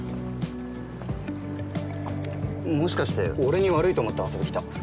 もしかして俺に悪いと思って遊びに来た？